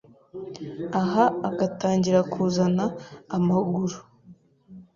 Aha agatangira kuzana amaguru